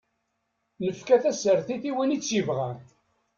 Nefka tasertit i win i tt-yebɣan.